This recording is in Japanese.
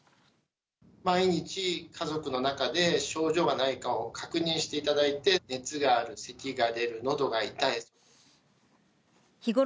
毎日、家族の中で症状がないかを確認していただいて、熱がある、せきが出る、のどが痛い。